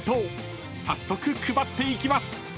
［早速配っていきます］